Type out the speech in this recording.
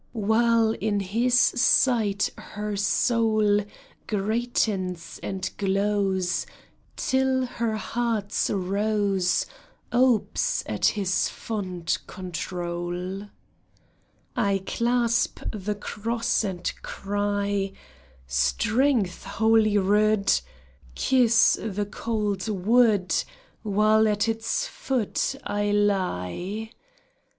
While in his sight her soul Greatens and glows. Till her heart's rose Opes at his fond control ; I clasp the cross and cry " Strength, Holy Rood Kiss the cold wood While at its foot I He.'